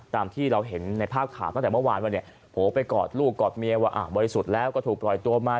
ตามที่เราเห็นในภาพข่าวตั้งแต่เมื่อวานว่าเนี่ยโผล่ไปกอดลูกกอดเมียว่าบริสุทธิ์แล้วก็ถูกปล่อยตัวมา